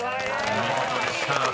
［お見事でした］